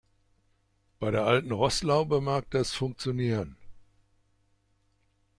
Bei der alten Rostlaube mag das funktionieren.